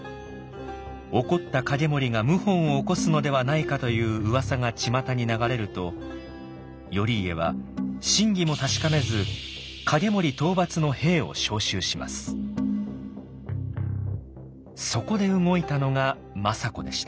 怒った景盛が謀反を起こすのではないかといううわさが巷に流れると頼家は真偽も確かめずそこで動いたのが政子でした。